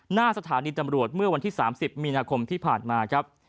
หน้าสถานีตำรวจเมื่อวันที่๓๐มีนาคมที่ผ่านมาครับ